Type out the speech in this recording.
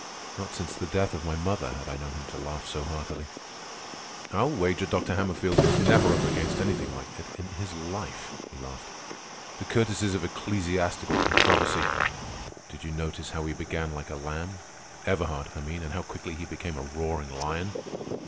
Not since the death of my mother had I known him to laugh so heartily. "I'll wager Dr. Hammerfield was never up against anything like it in his life," he laughed. "'The courtesies of ecclesiastical controversy!' Did you notice how he began like a lamb—Everhard, I mean, and how quickly he became a roaring lion?